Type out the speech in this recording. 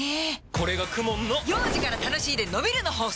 これがＫＵＭＯＮの幼児から楽しいでのびるの法則！